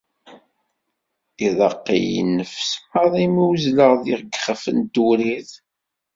Iḍaq-iyi nnefs maḍi mi uzzleɣ deg ixef n tewrirt.